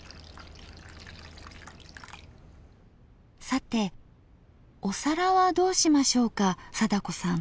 さてお皿はどうしましょうか貞子さん。